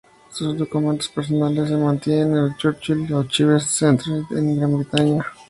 Sus documentos personales se mantienen en el Churchill Archives Centre, en Gran Bretaña.